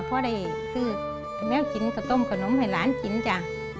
เพราะได้ซื้อแมวชิ้นกระต้มขนมให้ร้านชิ้นจ้ะ